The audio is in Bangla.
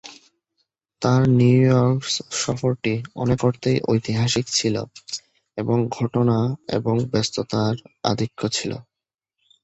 তাঁর নিউইয়র্ক সফরটি অনেক অর্থেই ঐতিহাসিক ছিল এবং ঘটনা এবং ব্যস্ততার আধিক্য ছিল।